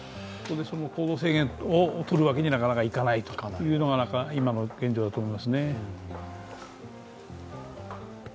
行動制限を取るわけになかなかいかないというのが今の現状だと思いますね。